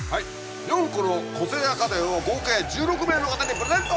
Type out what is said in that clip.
４個の個性派家電を合計１６名の方にプレゼント！